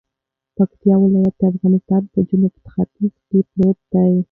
پکتيا ولايت د افغانستان په جنوت ختیځ کی پروت ده